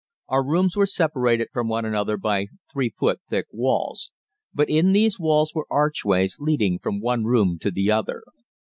Our rooms were separated from one another by 3 foot thick walls, but in these walls were archways leading from one room to the other.